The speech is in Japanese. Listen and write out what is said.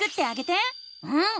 うん！